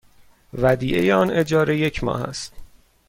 ودیعه آن اجاره یک ماه است.